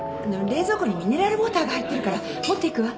冷蔵庫にミネラルウオーターが入ってるから持っていくわ